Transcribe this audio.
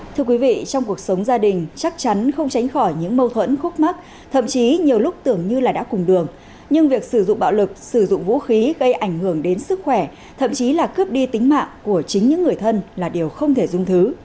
thưa quý vị trong cuộc sống gia đình chắc chắn không tránh khỏi những mâu thuẫn khúc mắc thậm chí nhiều lúc tưởng như là đã cùng đường nhưng việc sử dụng bạo lực sử dụng vũ khí gây ảnh hưởng đến sức khỏe thậm chí là cướp đi tính mạng của chính những người thân là điều không thể dung thứ